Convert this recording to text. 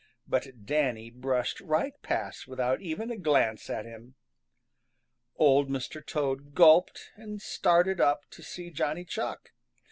But Danny brushed right past without even a glance at him. Old Mr. Toad gulped and started up to see Johnny Chuck.